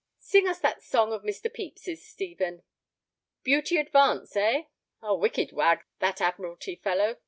"Sing us that song of Mr. Pepys's, Stephen." "'Beauty Advance,' eh? A wicked wag, that Admiralty fellow.